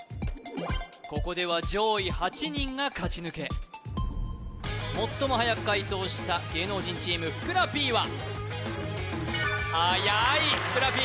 ここでは上位８人が勝ち抜け最もはやく解答した芸能人チームふくらＰははやいふくらＰ